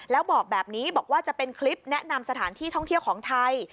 แล้วบอกแบบนี้บอกว่าจะเป็นคลิปแนะนำสถานที่ท่องเที่ยวของไทย